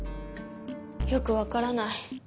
よく分からない。